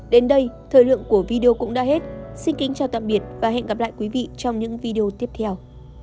đến đây thời lượng của video cũng đã hết xin kính chào tạm biệt và hẹn gặp lại quý vị trong những video tiếp theo